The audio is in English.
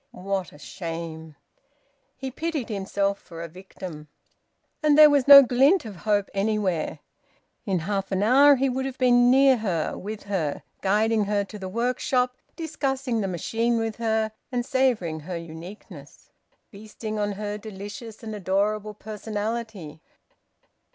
"What a shame!" He pitied himself for a victim. And there was no glint of hope anywhere. In half an hour he would have been near her, with her, guiding her to the workshop, discussing the machine with her; and savouring her uniqueness; feasting on her delicious and adorable personality!